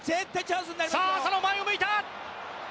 さあ、浅野前を向いた！